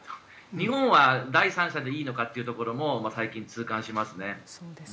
日本は第三者でいいのかというのも最近、痛感しますね。